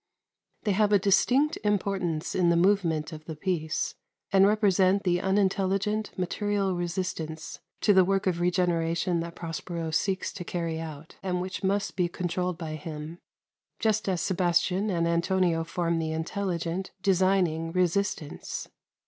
They have a distinct importance in the movement of the piece, and represent the unintelligent, material resistance to the work of regeneration that Prospero seeks to carry out, and which must be controlled by him, just as Sebastian and Antonio form the intelligent, designing resistance.